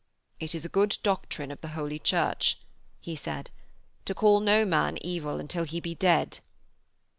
'It is a good doctrine of the Holy Church,' he said, 'to call no man evil until he be dead.'